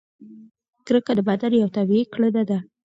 کرکه د بدن یوه طبیعي کړنه ده.